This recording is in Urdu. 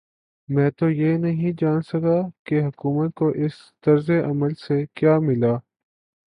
میں تو یہ نہیں جان سکا کہ حکومت کو اس طرز عمل سے کیا ملا؟